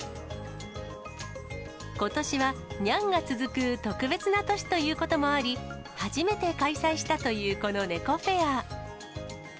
ことしはにゃんが続く特別な年ということもあり、初めて開催したという、この猫フェア。